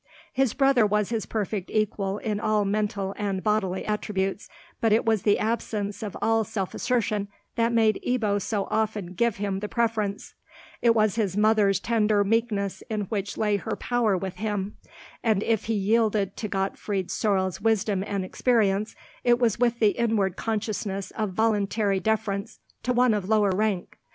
His brother was his perfect equal in all mental and bodily attributes, but it was the absence of all self assertion that made Ebbo so often give him the preference; it was his mother's tender meekness in which lay her power with him; and if he yielded to Gottfried Sorel's wisdom and experience, it was with the inward consciousness of voluntary deference to one of lower rank.